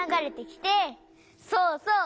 そうそう！